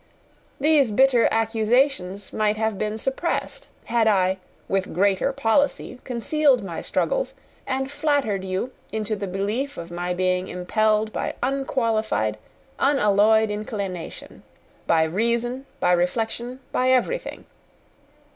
These bitter accusations might have been suppressed, had I, with greater policy, concealed my struggles, and flattered you into the belief of my being impelled by unqualified, unalloyed inclination; by reason, by reflection, by everything.